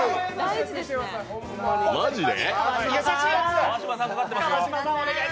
マジで？